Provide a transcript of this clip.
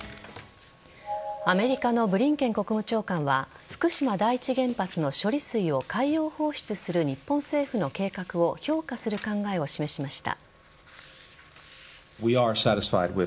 アメリカのブリンケン国務長官は福島第一原発の処理水を海洋放出する日本政府の計画を評価する考えを示しました。